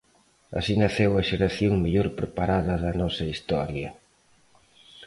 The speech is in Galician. Así naceu a xeración mellor preparada da nosa historia.